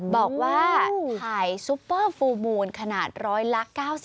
บอกว่าถ่ายซุปเปอร์ฟูลมูลขนาดร้อยละ๙๐